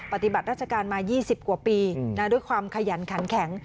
ปฏิบัติราชการมา๒๐กว่าปีด้วยความขยันขันแข็ง